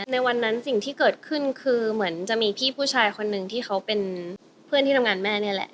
ในวันนั้นสิ่งที่เกิดขึ้นคือเหมือนจะมีพี่ผู้ชายคนหนึ่งที่เขาเป็นเพื่อนที่ทำงานแม่นี่แหละ